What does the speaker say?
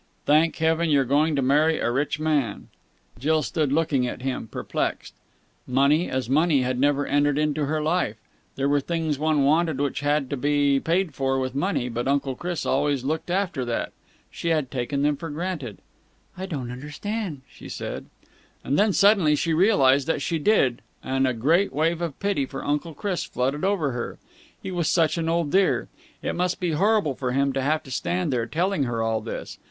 "Thank heaven you're going to marry a rich man!" Jill stood looking at him, perplexed. Money, as money, had never entered into her life. There were things one wanted which had to be paid for with money, but Uncle Chris had always looked after that. She had taken them for granted. "I don't understand," she said. And then suddenly she realized that she did, and a great wave of pity for Uncle Chris flooded over her. He was such an old dear. It must be horrible for him to have to stand there, telling her all this.